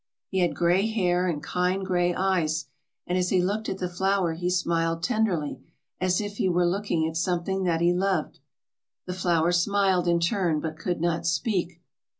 He had gray hair and kind gray eyes; and as he looked at the flower he smiled tenderly, as if he were looking at something that he loved. The flower smiled in turn, but could not speak.